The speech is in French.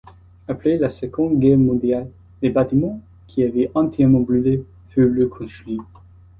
Après la Seconde Guerre mondiale, les bâtiments, qui avaient entièrement brûlé, furent reconstruits.